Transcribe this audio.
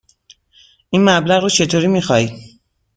این مبلغ را چطوری می خواهید؟